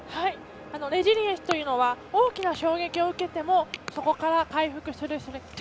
レジリエンスというのは大きな衝撃を受けてもそこから回復する力。